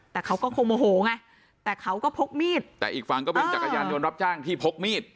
แต่เขาก็คงโมโหไงแต่เขาก็พกมีดแต่อีกฝั่งก็เป็นจักรยานยนต์รับจ้างที่พกมีด